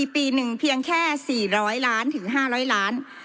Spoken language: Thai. ปีหนึ่งเพียงแค่๔๐๐ล้านถึง๕๐๐ล้าน